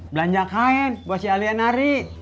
belanja kain buat si alian ari